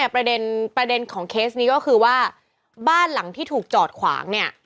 ประเด็นของเคสนี้ก็คือว่าบ้านหลังที่ถูกจอดขวางเนี่ย